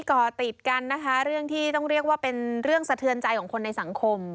ก่อติดกันนะคะเรื่องที่ต้องเรียกว่าเป็นเรื่องสะเทือนใจของคนในสังคม